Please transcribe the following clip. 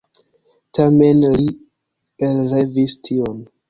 Tamen li elrevis tion.